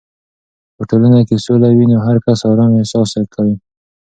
که په ټولنه کې سوله وي، نو هر کس آرام احساس کوي.